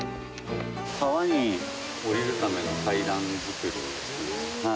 川に下りるための階段作り。